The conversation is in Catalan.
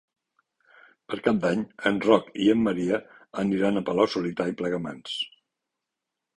Per Cap d'Any en Roc i en Maria aniran a Palau-solità i Plegamans.